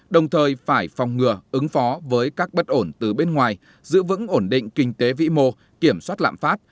chứng phó với các bất ổn từ bên ngoài giữ vững ổn định kinh tế vĩ mô kiểm soát lạm phát